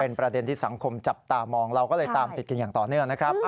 เป็นประเด็นที่สังคมจับตามองเราก็เลยตามติดกันอย่างต่อเนื่องนะครับ